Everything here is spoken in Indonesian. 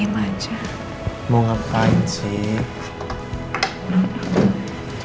mau ngapain sih